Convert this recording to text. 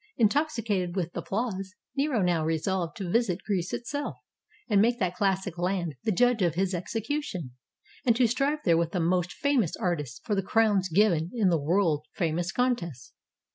Intoxicated with applause, Nero now resolved to visit Greece itself, and make that classic land the judge of his execution, and to strive there with the most fam ous artists for the crowns given in the world famous contests.